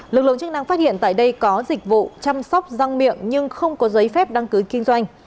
lực lượng chức năng phát hiện tại đây có dịch vụ chăm sóc răng miệng nhưng không có giấy phép đăng ký kinh doanh